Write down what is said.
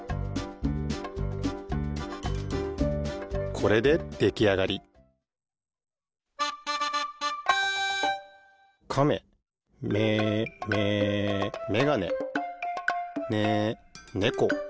これでできあがり「かめ」めめ「めがね」ね「ねこ」